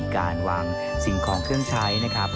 การวางสิ่งของเครื่องใช้นะครับ